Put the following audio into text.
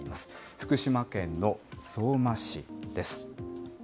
福島県の相馬市です。